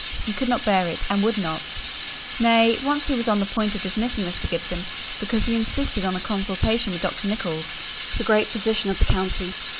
He could not bear it; and he would not. Nay, once he was on the point of dismissing Mr. Gibson because he insisted on a consultation with Dr. Nicholls, the great physician of the county.